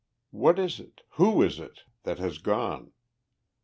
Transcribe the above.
What is it Who is it that has gone?